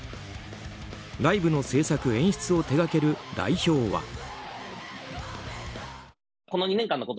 ライブの制作・演出を手掛ける代表は。